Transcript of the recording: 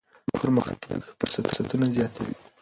پرمختګ فرصتونه زیاتوي.